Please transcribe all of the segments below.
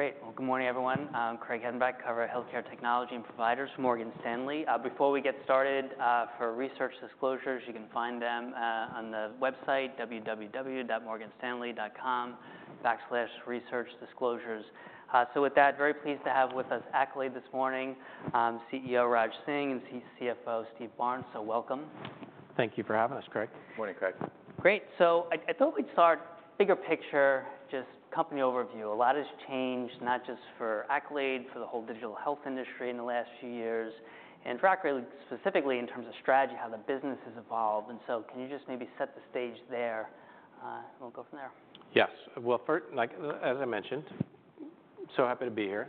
Great! Well, good morning, everyone. I'm Craig Hettenbach, cover healthcare technology and providers, Morgan Stanley. Before we get started, for research disclosures, you can find them on the website www.morganstanley.com/researchdisclosures. So with that, very pleased to have with us Accolade this morning, CEO, Raj Singh, and CFO, Steve Barnes. So welcome. Thank you for having us, Craig. Morning, Craig. Great. So I thought we'd start bigger picture, just company overview. A lot has changed, not just for Accolade, for the whole digital health industry in the last few years, and for Accolade specifically in terms of strategy, how the business has evolved. And so can you just maybe set the stage there, and we'll go from there? Yes. Well, first, like, as I mentioned, so happy to be here.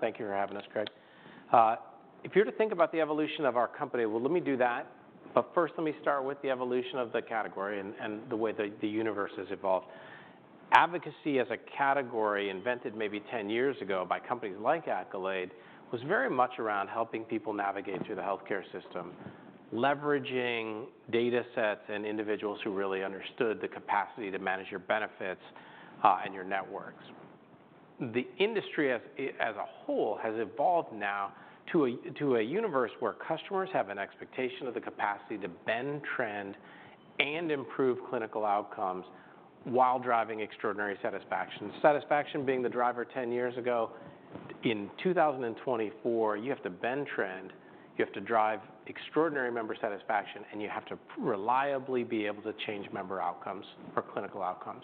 Thank you for having us, Craig. If you're to think about the evolution of our company. Well, let me do that, but first, let me start with the evolution of the category and the way the universe has evolved. Advocacy as a category, invented maybe ten years ago by companies like Accolade, was very much around helping people navigate through the healthcare system, leveraging data sets and individuals who really understood the capacity to manage your benefits, and your networks. The industry as a whole has evolved now to a universe where customers have an expectation of the capacity to bend trend and improve clinical outcomes while driving extraordinary satisfaction. Satisfaction being the driver ten years ago, in 2024, you have to bend trend, you have to drive extraordinary member satisfaction, and you have to reliably be able to change member outcomes or clinical outcomes,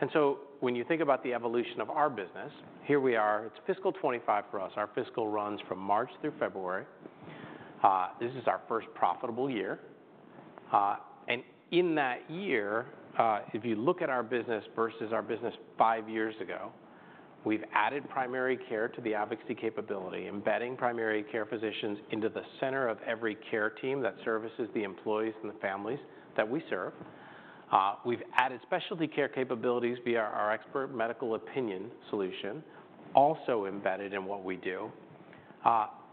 and so when you think about the evolution of our business, here we are, it's FY25 for us. Our fiscal runs from March through February. This is our first profitable year, and in that year, if you look at our business versus our business five years ago, we've added primary care to the advocacy capability, embedding primary care physicians into the center of every care team that services the employees and the families that we serve. We've added specialty care capabilities via our expert medical opinion solution, also embedded in what we do.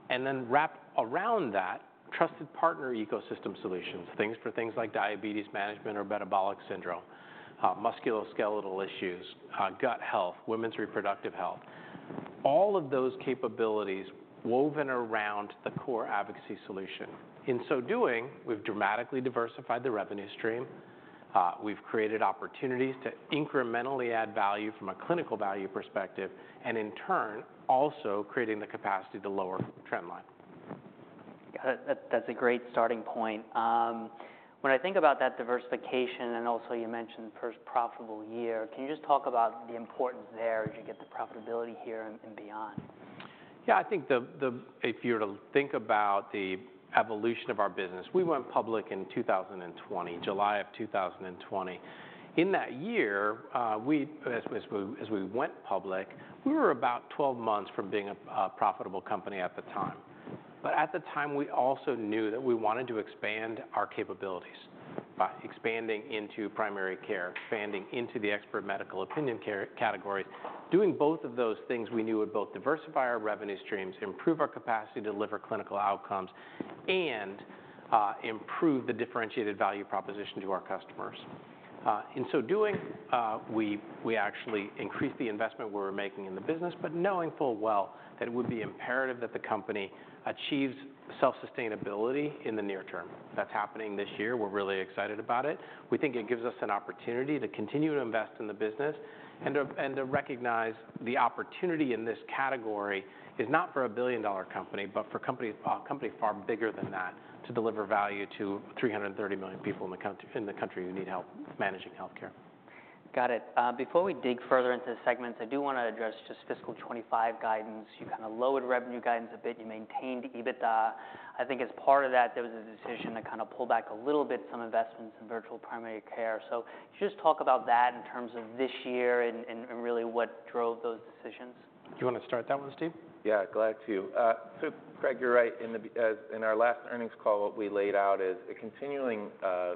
And then wrap around that, Trusted Partner Ecosystem solutions, things for things like diabetes management or metabolic syndrome, musculoskeletal issues, gut health, women's reproductive health. All of those capabilities woven around the core advocacy solution. In so doing, we've dramatically diversified the revenue stream, we've created opportunities to incrementally add value from a clinical value perspective, and in turn, also creating the capacity to lower trend line. Got it. That, that's a great starting point. When I think about that diversification, and also you mentioned first profitable year, can you just talk about the importance there as you get the profitability here and beyond? Yeah, I think if you were to think about the evolution of our business, we went public in 2020, July of 2020. In that year, as we went public, we were about 12 months from being a profitable company at the time. But at the time, we also knew that we wanted to expand our capabilities by expanding into primary care, expanding into the expert medical opinion care categories. Doing both of those things, we knew would both diversify our revenue streams, improve our capacity to deliver clinical outcomes, and improve the differentiated value proposition to our customers. In so doing, we actually increased the investment we were making in the business, but knowing full well that it would be imperative that the company achieves self-sustainability in the near term. That's happening this year. We're really excited about it. We think it gives us an opportunity to continue to invest in the business and to recognize the opportunity in this category is not for a billion-dollar company, but for a company far bigger than that, to deliver value to 330 million people in the country who need help managing healthcare. Got it. Before we dig further into the segments, I do want to address just fiscal 2025 guidance. You kind of lowered revenue guidance a bit, you maintained EBITDA. I think as part of that, there was a decision to kind of pull back a little bit some investments in virtual primary care. So just talk about that in terms of this year and really what drove those decisions. Do you want to start that one, Steve? Yeah, glad to. So Craig, you're right. In our last earnings call, what we laid out is a continuing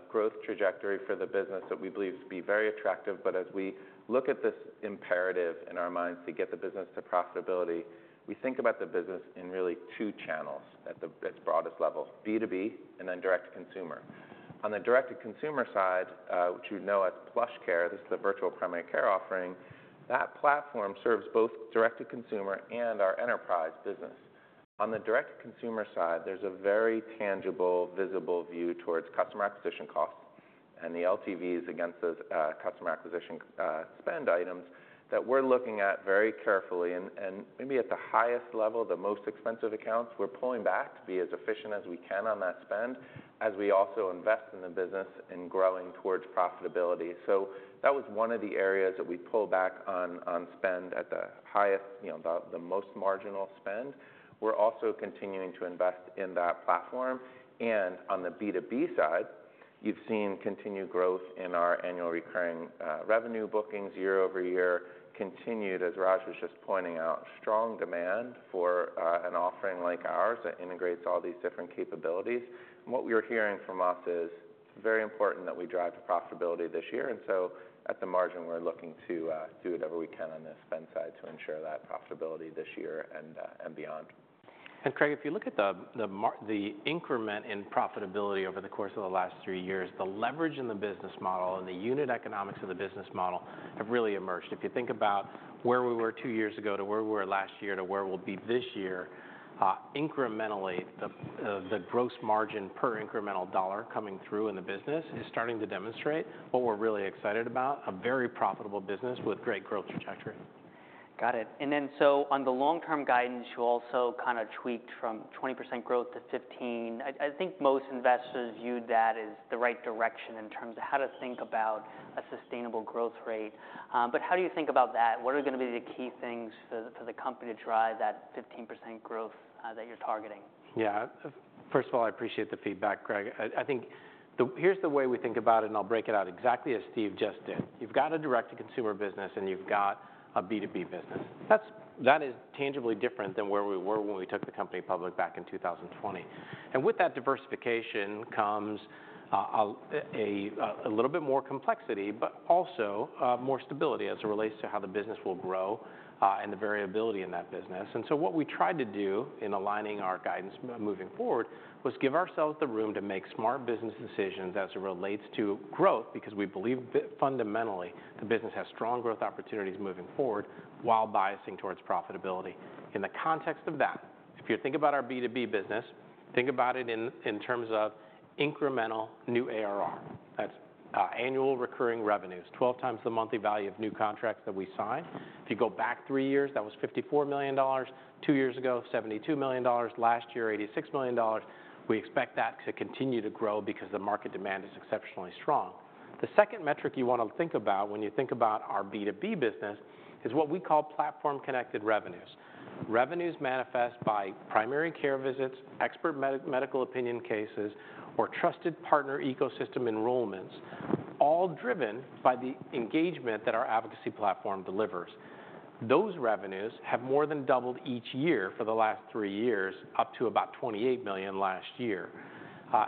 growth trajectory for the business that we believe to be very attractive. But as we look at this imperative in our minds to get the business to profitability, we think about the business in really two channels at its broadest level, B2B and then direct to consumer. On the direct to consumer side, which you'd know as PlushCare, this is the virtual primary care offering, that platform serves both direct to consumer and our enterprise business. On the direct to consumer side, there's a very tangible, visible view towards customer acquisition costs and the LTVs against those customer acquisition spend items that we're looking at very carefully. And maybe at the highest level, the most expensive accounts, we're pulling back to be as efficient as we can on that spend, as we also invest in the business in growing towards profitability. So that was one of the areas that we pulled back on, on spend at the highest, you know, the most marginal spend. We're also continuing to invest in that platform. And on the B2B side, you've seen continued growth in our annual recurring revenue bookings year-over-year, continued, as Raj was just pointing out, strong demand for an offering like ours that integrates all these different capabilities. And what we are hearing from us is it's very important that we drive to profitability this year, and so at the margin, we're looking to do whatever we can on the spend side to ensure that profitability this year and beyond. Craig, if you look at the increment in profitability over the course of the last three years, the leverage in the business model and the unit economics of the business model have really emerged. If you think about where we were two years ago, to where we were last year, to where we'll be this year, incrementally, the gross margin per incremental dollar coming through in the business is starting to demonstrate what we're really excited about, a very profitable business with great growth trajectory. Got it. And then so on the long-term guidance, you also kind of tweaked from 20% growth to 15%. I, I think most investors viewed that as the right direction in terms of how to think about a sustainable growth rate. But how do you think about that? What are gonna be the key things for the, for the company to drive that 15% growth that you're targeting? Yeah. First of all, I appreciate the feedback, Craig. I think here's the way we think about it, and I'll break it out exactly as Steve just did. You've got a direct-to-consumer business, and you've got a B2B business. That is tangibly different than where we were when we took the company public back in 2020. And with that diversification comes a little bit more complexity, but also more stability as it relates to how the business will grow and the variability in that business. And so what we tried to do in aligning our guidance moving forward was give ourselves the room to make smart business decisions as it relates to growth, because we believe fundamentally the business has strong growth opportunities moving forward, while biasing towards profitability. In the context of that, if you think about our B2B business, think about it in terms of incremental new ARR. That's annual recurring revenues, 12 times the monthly value of new contracts that we sign. If you go back three years, that was $54 million; two years ago, $72 million; last year, $86 million. We expect that to continue to grow because the market demand is exceptionally strong. The second metric you want to think about when you think about our B2B business is what we call platform-connected revenues. Revenues manifest by primary care visits, expert medical opinion cases, or Trusted Partner Ecosystem enrollments, all driven by the engagement that our advocacy platform delivers. Those revenues have more than doubled each year for the last three years, up to about $28 million last year.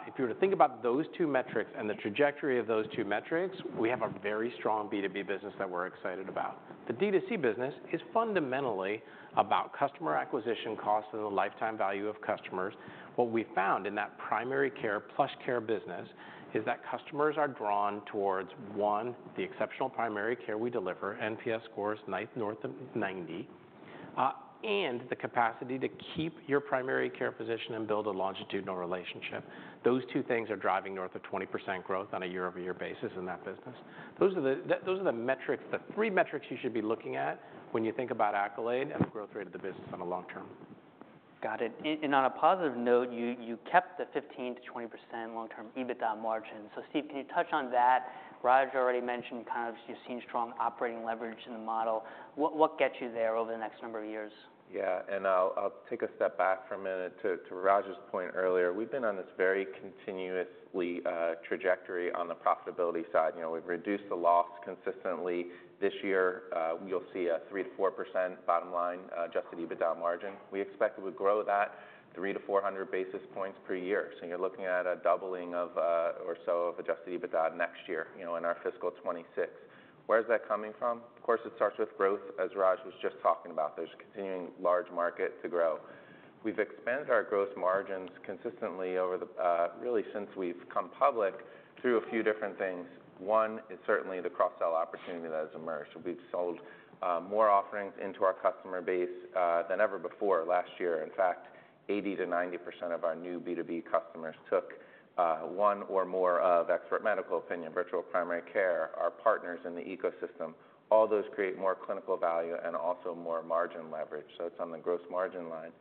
If you were to think about those two metrics and the trajectory of those two metrics, we have a very strong B2B business that we're excited about. The D2C business is fundamentally about customer acquisition costs and the lifetime value of customers. What we found in that primary care, PlushCare business, is that customers are drawn towards, one, the exceptional primary care we deliver, NPS scores, nines north of ninety, and the capacity to keep your primary care physician and build a longitudinal relationship. Those two things are driving north of 20% growth on a year-over-year basis in that business. Those are the metrics, the three metrics you should be looking at when you think about Accolade and the growth rate of the business on the long term. Got it. And on a positive note, you kept the 15%-20% long-term EBITDA margin. So, Steve, can you touch on that? Raj already mentioned kind of you've seen strong operating leverage in the model. What gets you there over the next number of years? Yeah, and I'll take a step back for a minute to Raj's point earlier. We've been on this very continuously trajectory on the profitability side. You know, we've reduced the loss consistently. This year, you'll see a 3%-4% bottom line adjusted EBITDA margin. We expect it would grow that 300-400 basis points per year. So you're looking at a doubling of or so of adjusted EBITDA next year, you know, in our fiscal 2026. Where is that coming from? Of course, it starts with growth, as Raj was just talking about. There's a continuing large market to grow. We've expanded our gross margins consistently over the really since we've come public, through a few different things. One is certainly the cross-sell opportunity that has emerged. We've sold more offerings into our customer base than ever before last year. In fact, 80%-90% of our new B2B customers took one or more of expert medical opinion, virtual primary care, our partners in the ecosystem. All those create more clinical value and also more margin leverage, so it's on the gross margin line.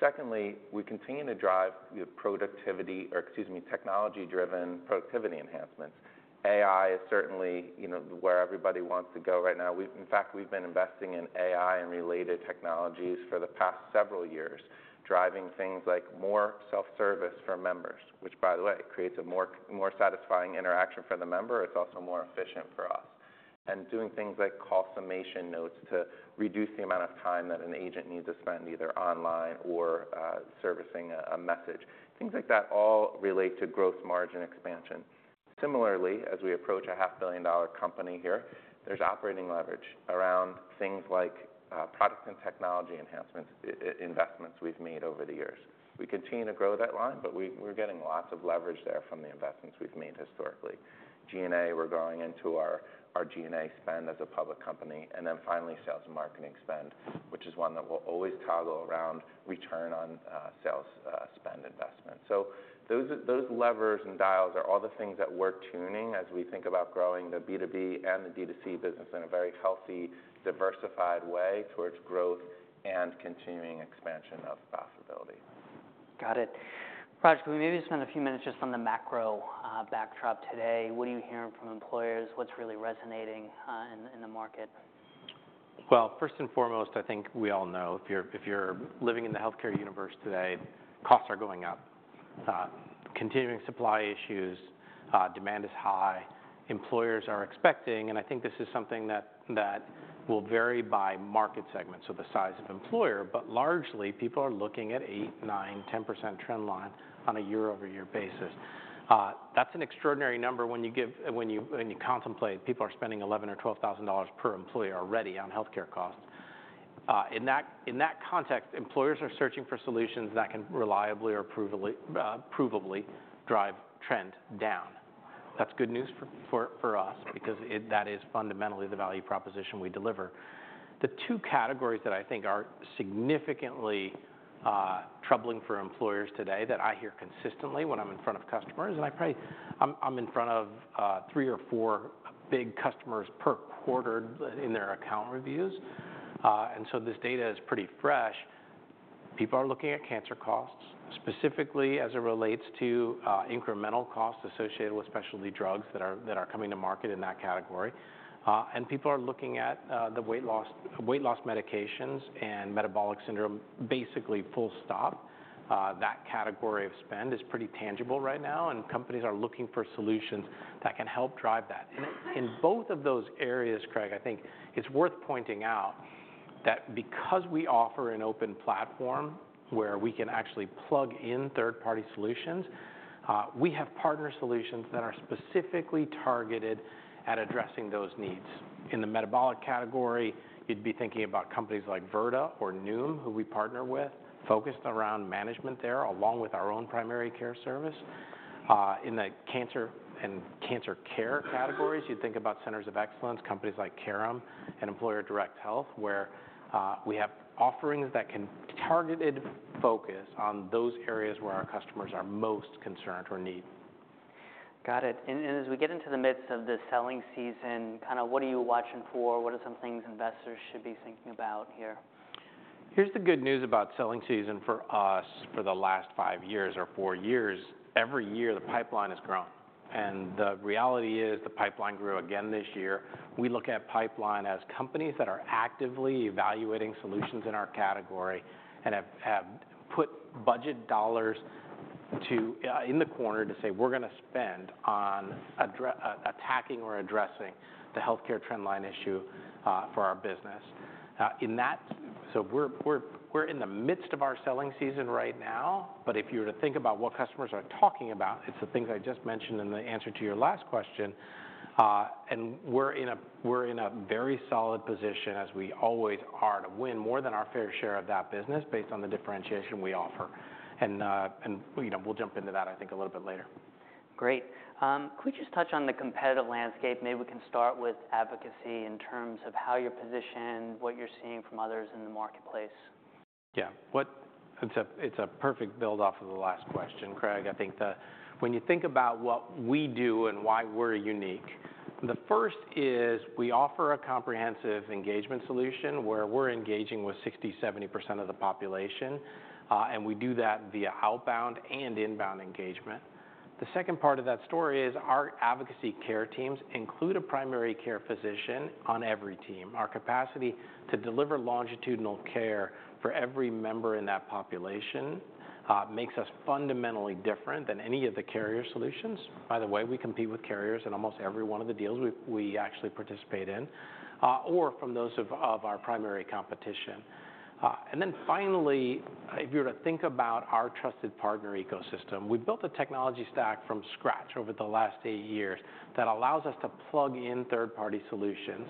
Secondly, we continue to drive productivity, or excuse me, technology-driven productivity enhancements. AI is certainly, you know, where everybody wants to go right now. In fact, we've been investing in AI and related technologies for the past several years, driving things like more self-service for members, which, by the way, creates a more satisfying interaction for the member. It's also more efficient for us. And doing things like call summation notes to reduce the amount of time that an agent needs to spend either online or servicing a message. Things like that all relate to gross margin expansion. Similarly, as we approach a $500 million company here, there's operating leverage around things like product and technology enhancements, investments we've made over the years. We continue to grow that line, but we're getting lots of leverage there from the investments we've made historically. G&A, we're going into our G&A spend as a public company, and then finally, sales and marketing spend, which is one that will always toggle around return on sales spend investment. So those levers and dials are all the things that we're tuning as we think about growing the B2B and the D2C business in a very healthy, diversified way towards growth and continuing expansion of profitability. Got it. Raj, can we maybe spend a few minutes just on the macro backdrop today? What are you hearing from employers? What's really resonating in the market? First and foremost, I think we all know if you're living in the healthcare universe today, costs are going up. Continuing supply issues, demand is high. Employers are expecting, and I think this is something that will vary by market segment, so the size of employer, but largely, people are looking at 8-10% trend line on a year-over-year basis. That's an extraordinary number when you contemplate people are spending $11,000 or $12,000 per employee already on healthcare costs. In that context, employers are searching for solutions that can reliably or provably drive trend down. That's good news for us because that is fundamentally the value proposition we deliver. The two categories that I think are significantly troubling for employers today, that I hear consistently when I'm in front of customers, and I'm in front of three or four big customers per quarter in their account reviews, and so this data is pretty fresh. People are looking at cancer costs, specifically as it relates to incremental costs associated with specialty drugs that are coming to market in that category. And people are looking at the weight loss medications and metabolic syndrome, basically full stop. That category of spend is pretty tangible right now, and companies are looking for solutions that can help drive that. In both of those areas, Craig, I think it's worth pointing out that because we offer an open platform where we can actually plug in third-party solutions, we have partner solutions that are specifically targeted at addressing those needs. In the metabolic category, you'd be thinking about companies like Virta or Noom, who we partner with, focused around management there, along with our own primary care service. In the cancer and cancer care categories, you'd think about Centers of Excellence, companies like Carrum and Employer Direct Health, where we have offerings that can targeted focus on those areas where our customers are most concerned or need. Got it. And as we get into the midst of the selling season, kinda what are you watching for? What are some things investors should be thinking about here? Here's the good news about selling season for us, for the last five years or four years, every year the pipeline has grown, and the reality is the pipeline grew again this year. We look at pipeline as companies that are actively evaluating solutions in our category and have put budget dollars to in the corner to say, "We're gonna spend on attacking or addressing the healthcare trend line issue for our business." In that. So we're in the midst of our selling season right now, but if you were to think about what customers are talking about, it's the things I just mentioned in the answer to your last question. And we're in a very solid position, as we always are, to win more than our fair share of that business based on the differentiation we offer. You know, we'll jump into that, I think, a little bit later. Great. Could we just touch on the competitive landscape? Maybe we can start with advocacy in terms of how you're positioned, what you're seeing from others in the marketplace. Yeah. It's a, it's a perfect build off of the last question, Craig. I think the... When you think about what we do and why we're unique, the first is we offer a comprehensive engagement solution, where we're engaging with 60%-70% of the population, and we do that via outbound and inbound engagement. The second part of that story is our advocacy care teams include a primary care physician on every team. Our capacity to deliver longitudinal care for every member in that population makes us fundamentally different than any of the carrier solutions. By the way, we compete with carriers in almost every one of the deals we actually participate in, or from those of our primary competition. And then finally, if you were to think about our Trusted Partner Ecosystem, we've built a technology stack from scratch over the last eight years that allows us to plug in third-party solutions,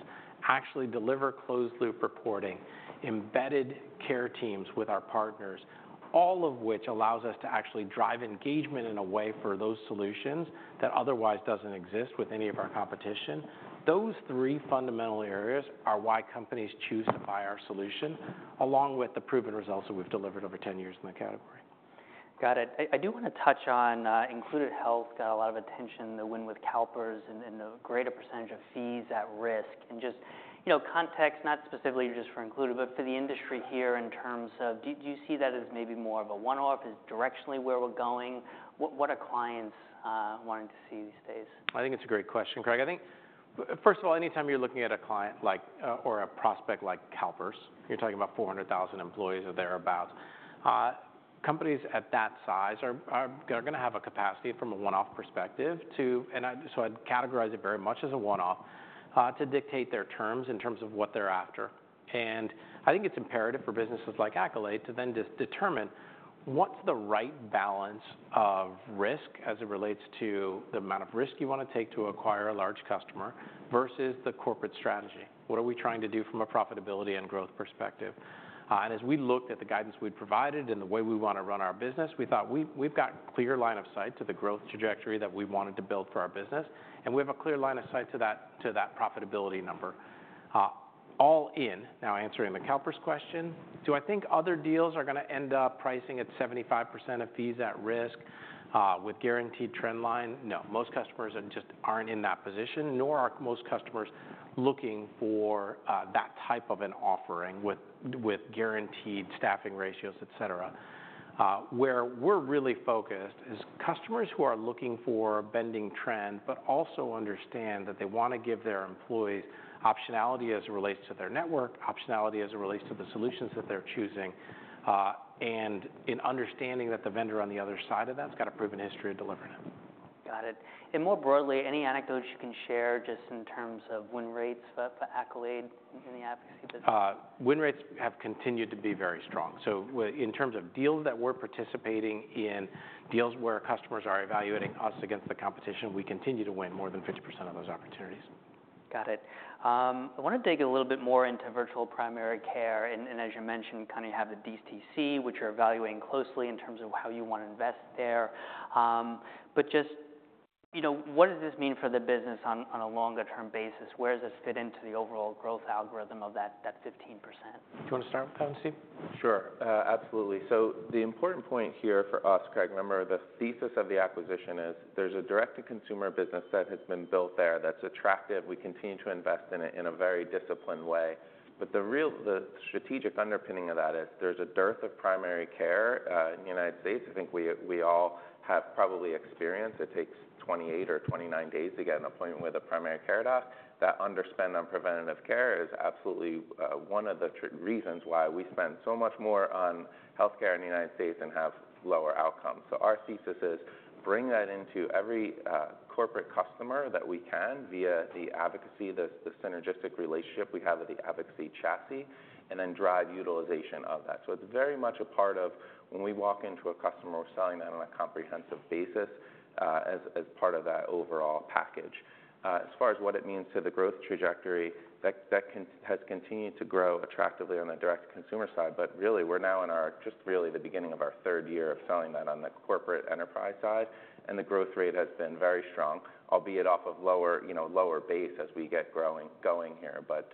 actually deliver closed-loop reporting, embedded care teams with our partners, all of which allows us to actually drive engagement in a way for those solutions that otherwise doesn't exist with any of our competition. Those three fundamental areas are why companies choose to buy our solution, along with the proven results that we've delivered over ten years in the category. Got it. I do want to touch on Included Health got a lot of attention, the win with CalPERS and the greater percentage of fees at risk, and just, you know, context, not specifically just for Included, but for the industry here in terms of do you see that as maybe more of a one-off, as directionally where we're going? What are clients wanting to see these days? I think it's a great question, Craig. I think, first of all, anytime you're looking at a client like, or a prospect like CalPERS, you're talking about 400,000 employees or thereabout. Companies at that size are, are gonna have a capacity from a one-off perspective to. I think I'd categorize it very much as a one-off, to dictate their terms in terms of what they're after. I think it's imperative for businesses like Accolade to then just determine what's the right balance of risk as it relates to the amount of risk you want to take to acquire a large customer versus the corporate strategy. What are we trying to do from a profitability and growth perspective? And as we looked at the guidance we'd provided and the way we want to run our business, we thought we've got clear line of sight to the growth trajectory that we wanted to build for our business, and we have a clear line of sight to that profitability number. All in, now answering the CalPERS question, do I think other deals are gonna end up pricing at 75% of fees at risk with guaranteed trend line? No. Most customers aren't in that position, nor are most customers looking for that type of an offering with guaranteed staffing ratios, et cetera. Where we're really focused is customers who are looking for bending trend, but also understand that they want to give their employees optionality as it relates to their network, optionality as it relates to the solutions that they're choosing, and in understanding that the vendor on the other side of that has got a proven history of delivering it. Got it. And more broadly, any anecdotes you can share just in terms of win rates for Accolade in the advocacy business? Win rates have continued to be very strong. So in terms of deals that we're participating in, deals where customers are evaluating us against the competition, we continue to win more than 50% of those opportunities. ... Got it. I wanna dig a little bit more into virtual primary care, and as you mentioned, kind of have the DTC, which you're evaluating closely in terms of how you wanna invest there. But just, you know, what does this mean for the business on a longer term basis? Where does this fit into the overall growth algorithm of that 15%? Do you wanna start with that, Steve? Sure, absolutely. So the important point here for us, Craig, remember, the thesis of the acquisition is there's a direct-to-consumer business that has been built there that's attractive. We continue to invest in it in a very disciplined way. But the real, the strategic underpinning of that is there's a dearth of primary care in the United States. I think we all have probably experienced, it takes twenty-eight or twenty-nine days to get an appointment with a primary care doc. That underspend on preventative care is absolutely one of the reasons why we spend so much more on healthcare in the United States and have lower outcomes. So our thesis is: bring that into every corporate customer that we can via the advocacy, the synergistic relationship we have with the advocacy chassis, and then drive utilization of that. So it's very much a part of when we walk into a customer. We're selling them on a comprehensive basis, as part of that overall package. As far as what it means to the growth trajectory, that connection has continued to grow attractively on the direct-to-consumer side, but really, we're now in our... just really the beginning of our third year of selling that on the corporate enterprise side, and the growth rate has been very strong, albeit off of lower, you know, lower base as we get going here. But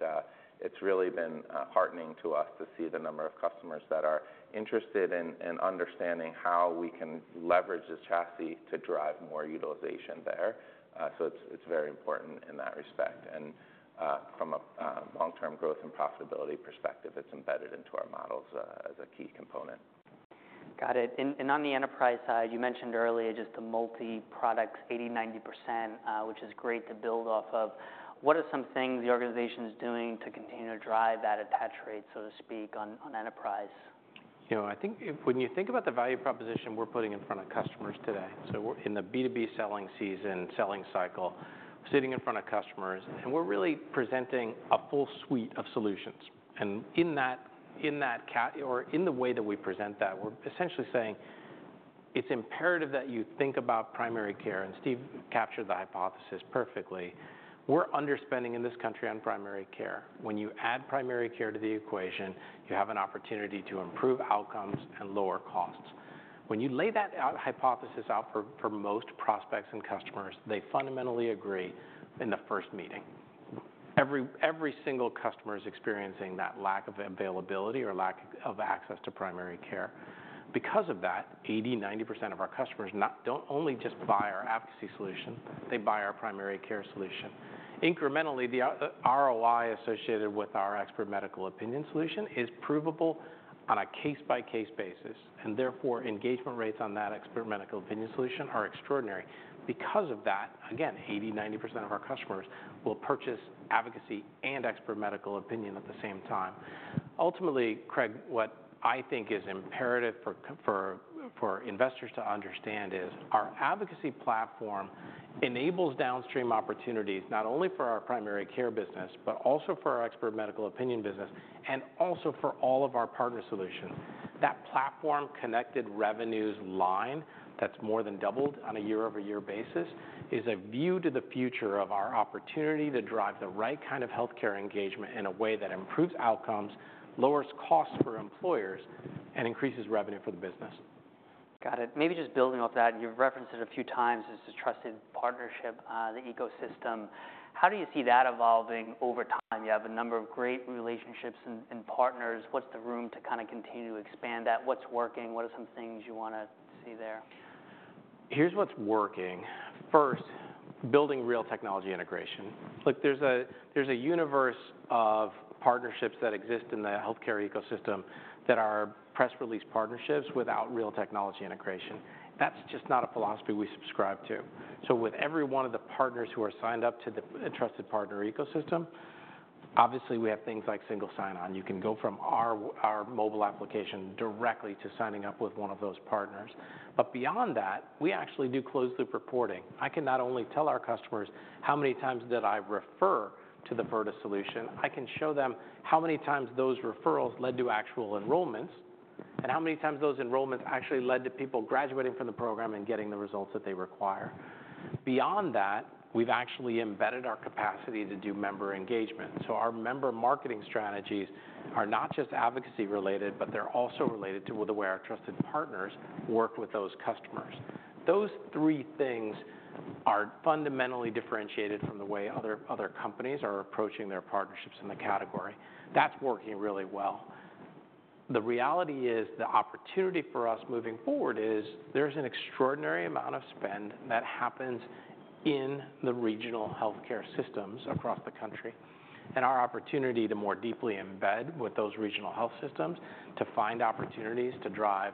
it's really been heartening to us to see the number of customers that are interested in understanding how we can leverage this chassis to drive more utilization there. So it's very important in that respect. And, from a long-term growth and profitability perspective, it's embedded into our models, as a key component. Got it. And on the enterprise side, you mentioned earlier just the multi-products, 80-90%, which is great to build off of. What are some things the organization is doing to continue to drive that attach rate, so to speak, on enterprise? You know, I think if when you think about the value proposition we're putting in front of customers today, so we're in the B2B selling season, selling cycle, sitting in front of customers, and we're really presenting a full suite of solutions. In that or in the way that we present that, we're essentially saying, "It's imperative that you think about primary care," and Steve captured the hypothesis perfectly. We're underspending in this country on primary care. When you add primary care to the equation, you have an opportunity to improve outcomes and lower costs. When you lay that out, hypothesis out for most prospects and customers, they fundamentally agree in the first meeting. Every single customer is experiencing that lack of availability or lack of access to primary care. Because of that, 80%-90% of our customers don't only just buy our advocacy solution, they buy our primary care solution. Incrementally, the ROI associated with our expert medical opinion solution is provable on a case-by-case basis, and therefore, engagement rates on that expert medical opinion solution are extraordinary. Because of that, again, 80%-90% of our customers will purchase advocacy and expert medical opinion at the same time. Ultimately, Craig, what I think is imperative for investors to understand is our advocacy platform enables downstream opportunities, not only for our primary care business, but also for our expert medical opinion business, and also for all of our partner solutions. That platform-connected revenues line, that's more than doubled on a year-over-year basis, is a view to the future of our opportunity to drive the right kind of healthcare engagement in a way that improves outcomes, lowers costs for employers, and increases revenue for the business. Got it. Maybe just building off that, you've referenced it a few times, is the trusted partnership, the ecosystem. How do you see that evolving over time? You have a number of great relationships and partners. What's the room to kind of continue to expand that? What's working? What are some things you wanna see there? Here's what's working. First, building real technology integration. Look, there's a universe of partnerships that exist in the healthcare ecosystem that are press release partnerships without real technology integration. That's just not a philosophy we subscribe to. So with every one of the partners who are signed up to the Trusted Partner Ecosystem, obviously we have things like single sign-on. You can go from our mobile application directly to signing up with one of those partners. But beyond that, we actually do closed-loop reporting. I can not only tell our customers how many times did I refer to the Virta solution, I can show them how many times those referrals led to actual enrollments, and how many times those enrollments actually led to people graduating from the program and getting the results that they require. Beyond that, we've actually embedded our capacity to do member engagement. So our member marketing strategies are not just advocacy related, but they're also related to the way our trusted partners work with those customers. Those three things are fundamentally differentiated from the way other companies are approaching their partnerships in the category. That's working really well. The reality is, the opportunity for us moving forward is, there's an extraordinary amount of spend that happens in the regional healthcare systems across the country, and our opportunity to more deeply embed with those regional health systems, to find opportunities to drive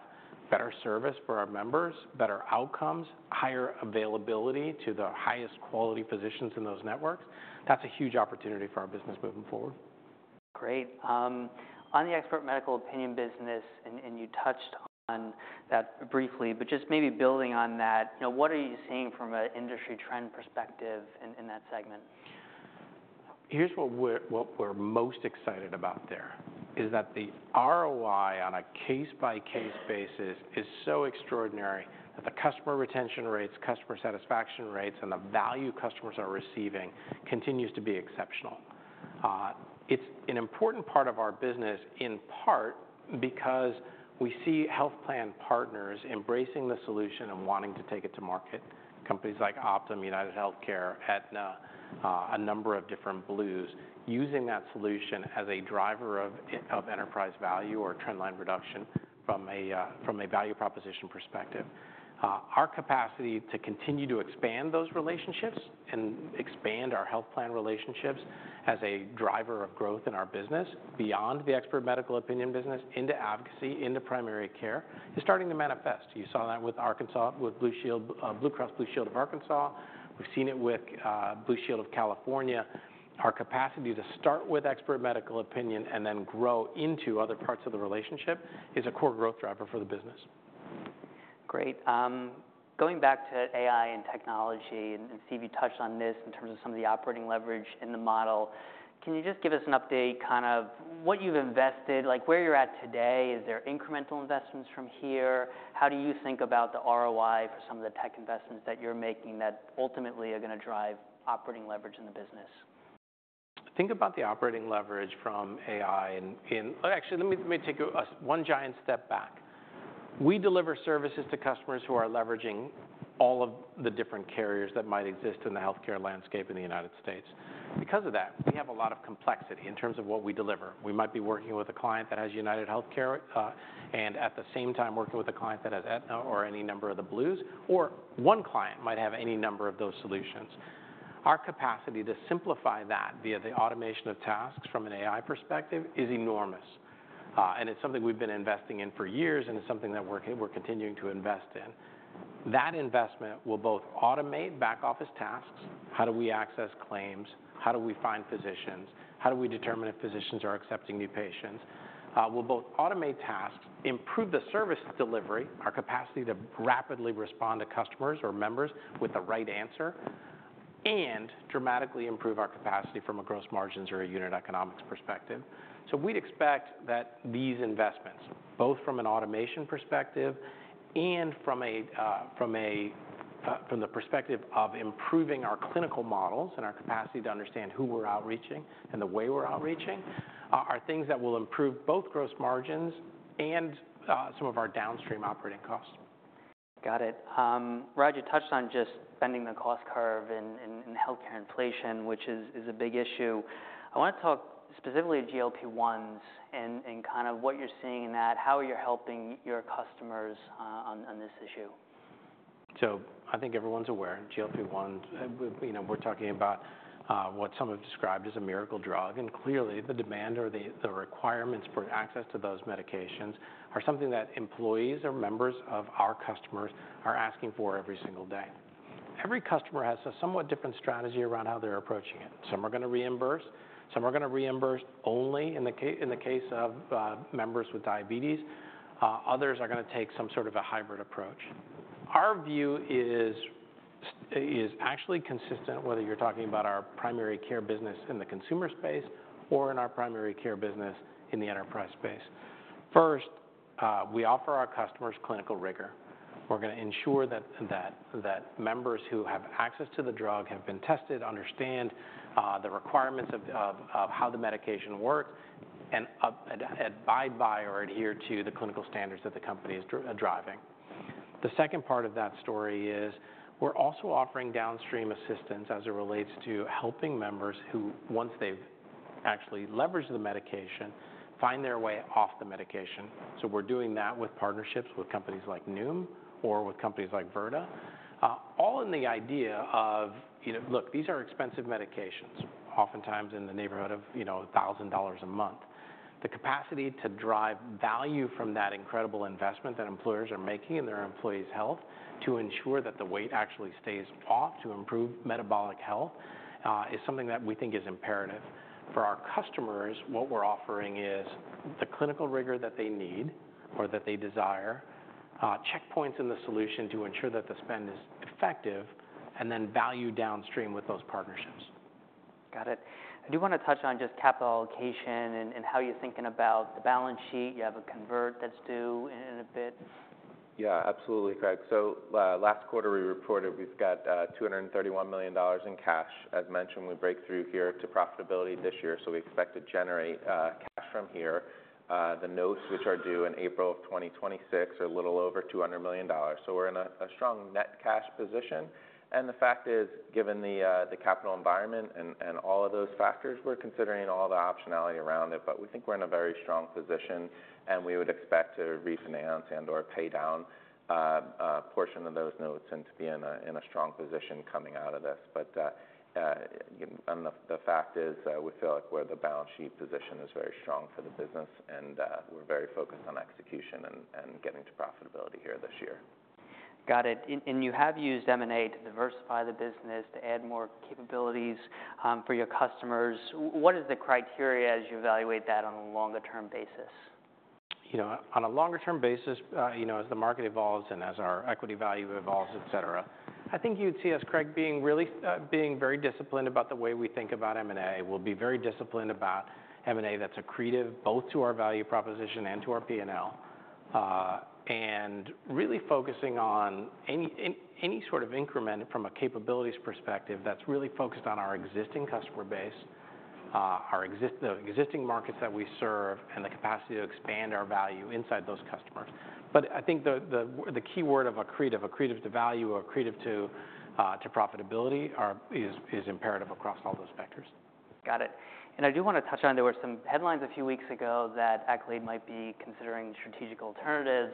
better service for our members, better outcomes, higher availability to the highest quality physicians in those networks, that's a huge opportunity for our business moving forward. Great. On the expert medical opinion business, and you touched on that briefly, but just maybe building on that, you know, what are you seeing from an industry trend perspective in that segment? Here's what we're most excited about there, is that the ROI on a case-by-case basis is so extraordinary that the customer retention rates, customer satisfaction rates, and the value customers are receiving continues to be exceptional. It's an important part of our business, in part, because we see health plan partners embracing the solution and wanting to take it to market. Companies like Optum, UnitedHealthcare, Aetna, a number of different Blues, using that solution as a driver of enterprise value or trend line reduction from a value proposition perspective. Our capacity to continue to expand those relationships and expand our health plan relationships as a driver of growth in our business, beyond the expert medical opinion business, into advocacy, into primary care, is starting to manifest. You saw that with Arkansas, with Blue Shield, Blue Cross Blue Shield of Arkansas. We've seen it with Blue Shield of California. Our capacity to start with expert medical opinion and then grow into other parts of the relationship is a core growth driver for the business. Great. Going back to AI and technology, and Steve, you touched on this in terms of some of the operating leverage in the model. Can you just give us an update, kind of what you've invested, like, where you're at today? Is there incremental investments from here? How do you think about the ROI for some of the tech investments that you're making that ultimately are gonna drive operating leverage in the business? Think about the operating leverage from AI in. Actually, let me take a one giant step back. We deliver services to customers who are leveraging all of the different carriers that might exist in the healthcare landscape in the United States. Because of that, we have a lot of complexity in terms of what we deliver. We might be working with a client that has UnitedHealthcare, and at the same time, working with a client that has Aetna or any number of the Blues, or one client might have any number of those solutions. Our capacity to simplify that via the automation of tasks from an AI perspective is enormous, and it's something we've been investing in for years, and it's something that we're continuing to invest in. That investment will both automate back office tasks: how do we access claims? How do we find physicians? How do we determine if physicians are accepting new patients? We'll both automate tasks, improve the service delivery, our capacity to rapidly respond to customers or members with the right answer, and dramatically improve our capacity from a gross margins or a unit economics perspective. So we'd expect that these investments, both from an automation perspective and from the perspective of improving our clinical models and our capacity to understand who we're outreaching and the way we're outreaching, are things that will improve both gross margins and some of our downstream operating costs. Got it. Raj, you touched on just bending the cost curve in healthcare inflation, which is a big issue. I want to talk specifically of GLP-1s and kind of what you're seeing in that, how you're helping your customers on this issue. So I think everyone's aware, GLP-1, you know, we're talking about what some have described as a miracle drug, and clearly, the demand or the requirements for access to those medications are something that employees or members of our customers are asking for every single day. Every customer has a somewhat different strategy around how they're approaching it. Some are gonna reimburse, some are gonna reimburse only in the case of members with diabetes, others are gonna take some sort of a hybrid approach. Our view is actually consistent, whether you're talking about our primary care business in the consumer space or in our primary care business in the enterprise space. First, we offer our customers clinical rigor. We're gonna ensure that members who have access to the drug have been tested, understand the requirements of how the medication works, and abide by or adhere to the clinical standards that the company is driving. The second part of that story is, we're also offering downstream assistance as it relates to helping members who, once they've actually leveraged the medication, find their way off the medication. So we're doing that with partnerships with companies like Noom or with companies like Virta. All in the idea of, you know, look, these are expensive medications, oftentimes in the neighborhood of, you know, $1,000 a month. The capacity to drive value from that incredible investment that employers are making in their employees' health, to ensure that the weight actually stays off, to improve metabolic health, is something that we think is imperative. For our customers, what we're offering is the clinical rigor that they need or that they desire, checkpoints in the solution to ensure that the spend is effective, and then value downstream with those partnerships. Got it. I do want to touch on just capital allocation and how you're thinking about the balance sheet. You have a convert that's due in a bit. Yeah, absolutely, Craig. So last quarter, we reported we've got $231 million in cash. As mentioned, we break through here to profitability this year, so we expect to generate cash from here. The notes, which are due in April of 2026, are a little over $200 million. So we're in a strong net cash position, and the fact is, given the capital environment and all of those factors, we're considering all the optionality around it, but we think we're in a very strong position, and we would expect to refinance and/or pay down a portion of those notes and to be in a strong position coming out of this. But, and the fact is, we feel like where the balance sheet position is very strong for the business, and we're very focused on execution and getting to profitability here this year. Got it. And you have used M&A to diversify the business, to add more capabilities, for your customers. What is the criteria as you evaluate that on a longer term basis? You know, on a longer term basis, you know, as the market evolves and as our equity value evolves, et cetera, I think you'd see us, Craig, being really, being very disciplined about the way we think about M&A. We'll be very disciplined about M&A that's accretive, both to our value proposition and to our P&L. And really focusing on any sort of increment from a capabilities perspective that's really focused on our existing customer base, the existing markets that we serve, and the capacity to expand our value inside those customers. But I think the key word of accretive to value or accretive to profitability is imperative across all those vectors. Got it. And I do wanna touch on, there were some headlines a few weeks ago that Accolade might be considering strategic alternatives.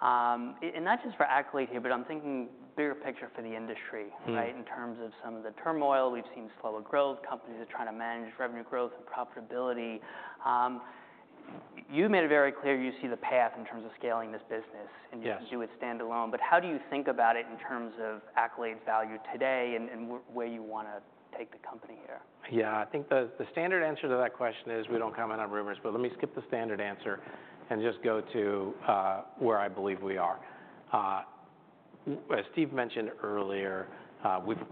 And not just for Accolade here, but I'm thinking bigger picture for the industry- Mm-hmm Right, in terms of some of the turmoil. We've seen slower growth. Companies are trying to manage revenue growth and profitability. You made it very clear you see the path in terms of scaling this business- Yes And you can do it standalone, but how do you think about it in terms of Accolade's value today and, and where you wanna take the company here? Yeah. I think the standard answer to that question is, we don't comment on rumors, but let me skip the standard answer and just go to where I believe we are. As Steve mentioned earlier,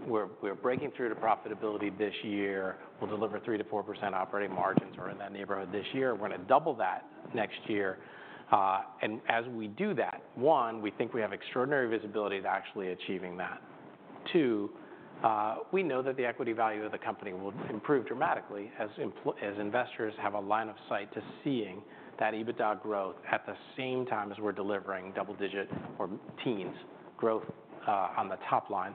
we're breaking through to profitability this year. We'll deliver 3%-4% operating margins or in that neighborhood this year. We're gonna double that next year. And as we do that, one, we think we have extraordinary visibility to actually achieving that. Two, we know that the equity value of the company will improve dramatically as investors have a line of sight to seeing that EBITDA growth at the same time as we're delivering double-digit or teens growth on the top line.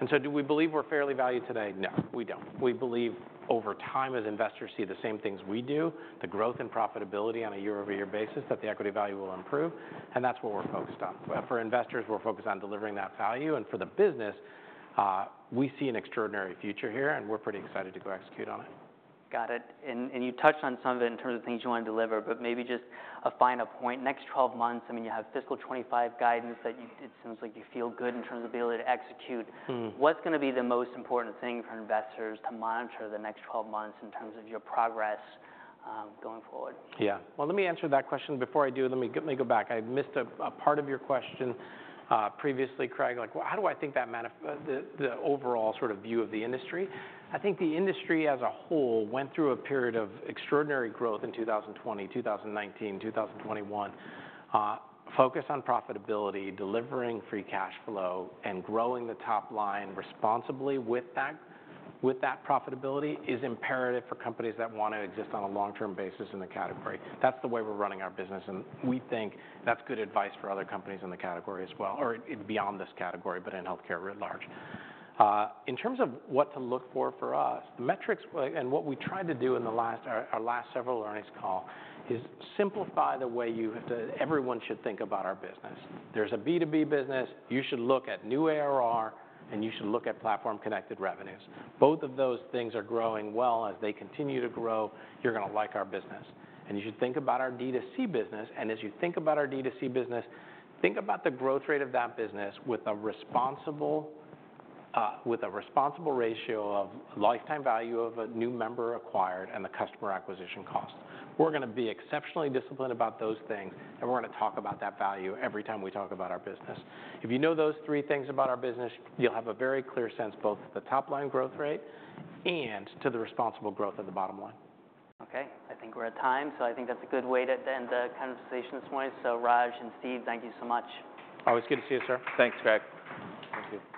And so do we believe we're fairly valued today? No, we don't. We believe over time, as investors see the same things we do, the growth and profitability on a year-over-year basis, that the equity value will improve, and that's what we're focused on. But for investors, we're focused on delivering that value, and for the business, we see an extraordinary future here, and we're pretty excited to go execute on it. Got it. And, and you touched on some of it in terms of things you wanna deliver, but maybe just a finer point. Next twelve months, I mean, you have fiscal 2025 guidance that you- it seems like you feel good in terms of ability to execute. Mm-hmm. What's gonna be the most important thing for investors to monitor the next twelve months in terms of your progress, going forward? Yeah. Well, let me answer that question. Before I do, let me go back. I missed a part of your question previously, Craig. Like, how do I think that the overall sort of view of the industry? I think the industry as a whole went through a period of extraordinary growth in 2020, 2019, 2021. Focus on profitability, delivering free cash flow, and growing the top line responsibly with that profitability is imperative for companies that wanna exist on a long-term basis in the category. That's the way we're running our business, and we think that's good advice for other companies in the category as well, or beyond this category, but in healthcare writ large. In terms of what to look for for us, the metrics and what we tried to do in our last several earnings calls is simplify the way everyone should think about our business. There's a B2B business. You should look at new ARR, and you should look at platform-connected revenues. Both of those things are growing well. As they continue to grow, you're gonna like our business. And you should think about our D2C business, and as you think about our D2C business, think about the growth rate of that business with a responsible ratio of lifetime value of a new member acquired and the customer acquisition cost. We're gonna be exceptionally disciplined about those things, and we're gonna talk about that value every time we talk about our business. If you know those three things about our business, you'll have a very clear sense, both the top line growth rate and to the responsible growth of the bottom line. Okay, I think we're at time, so I think that's a good way to end the conversation this morning. So Raj and Steve, thank you so much. Always good to see you, sir. Thanks, Craig. Thank you.